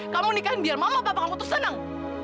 kamu nikahin biar mama bapak kamu tuh senang